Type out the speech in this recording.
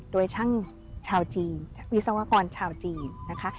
โดยช่างชาวจีนวิศวกรชาวจีนนะคะ